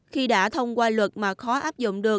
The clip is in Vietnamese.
khi đã thông qua luật mà khó áp dụng được